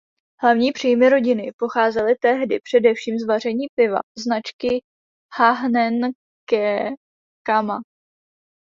Hlavní příjmy rodiny pocházely tehdy především z vaření piva značky "Hahnenkekamma".